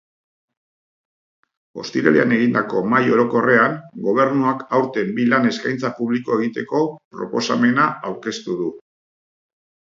Ostiralean egindako Mahai Orokorrean, Gobernuak aurten bi lan eskaintza publiko egiteko proposamena aurkeztu du.